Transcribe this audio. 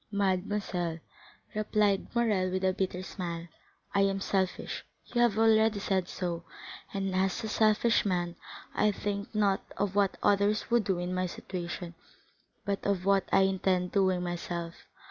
"Mademoiselle," replied Morrel with a bitter smile, "I am selfish—you have already said so—and as a selfish man I think not of what others would do in my situation, but of what I intend doing myself.